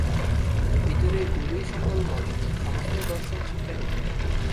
ভিতরে গুরুই সকল মত, সমস্ত দর্শন শিক্ষা দিবেন।